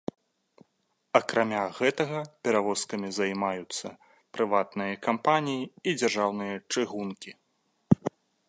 Акрамя гэтага, перавозкамі займаюцца прыватныя кампаніі і дзяржаўныя чыгункі.